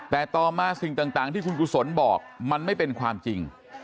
แต่ต่อมาสิ่งต่างที่คุณกุศลบอกมันไม่เป็นความจริง